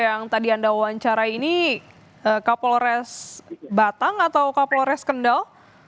yang tadi anda wawancarai ini kapolres batang atau kapolres kendal